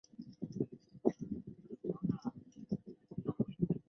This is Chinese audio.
华南花蟹蛛为蟹蛛科花蟹蛛属的动物。